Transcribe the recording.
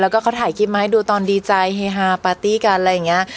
แล้วก็เขาถ่ายคลิปมาให้ดูตอนดีใจเฮฮาปาร์ตี้กันอะไรอย่างนี้